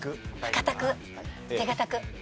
堅く手堅く。